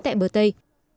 tại bờ tây